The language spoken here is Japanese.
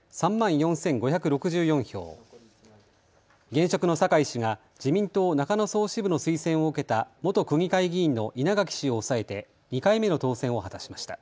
現職の酒井氏が自民党中野総支部の推薦を受けた元区議会議員の稲垣氏を抑えて２回目の当選を果たしました。